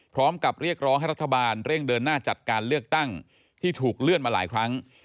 เรียกร้องให้รัฐบาลเร่งเดินหน้าจัดการเลือกตั้งที่ถูกเลื่อนมาหลายครั้ง